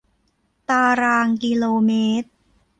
ตารางกิโลเมตร